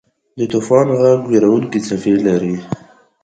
د طوفان ږغ وېرونکې څپه لري.